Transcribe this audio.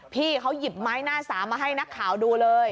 พี่เขาหยิบไม้หน้าสามมาให้นักข่าวดูเลย